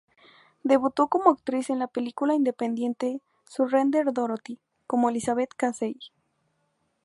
Debutó como actriz en la película independiente "Surrender Dorothy" como Elizabeth Casey.